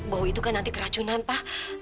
bau itu kan nanti keracunan pa